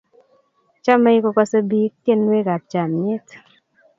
chamei kukasei biik tyenwekab chamyet